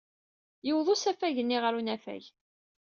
Yuweḍ usafag-nni ɣer unafag.